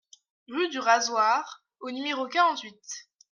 Rue du Razoir au numéro quarante-huit